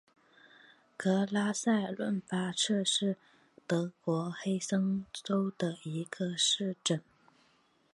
格拉塞伦巴赫是德国黑森州的一个市镇。